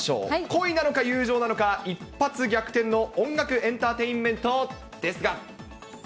恋なのか、友情なのか、一発逆転の音楽エンターテインメントです